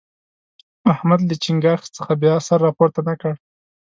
احمد له چينګاښ څخه بیا سر راپورته نه کړ.